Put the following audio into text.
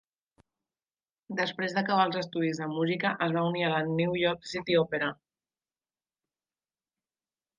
Després d'acabar els estudis de música, es va unir a la New York City Opera.